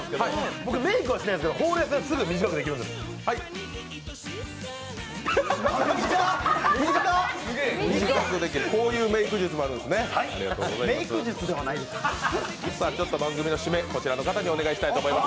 僕、メイクはしないんですけど、ほうれい線はすぐ短くできます。